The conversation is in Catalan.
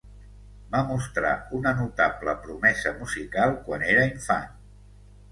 Va mostrar una notable promesa musical quan era infant.